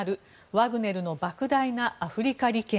ワグネルの莫大なアフリカ利権。